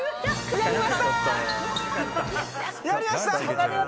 やりました！